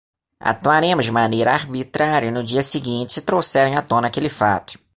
Atuaremos de maneira arbitrária no dia seguinte se trouxerem à tona aquele fato